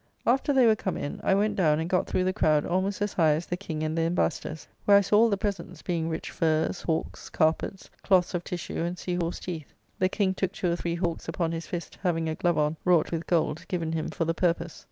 After they were come in, I went down and got through the croude almost as high as the King and the Embassadors, where I saw all the presents, being rich furs, hawks, carpets, cloths of tissue, and sea horse teeth. The King took two or three hawks upon his fist, having a glove on, wrought with gold, given him for the purpose.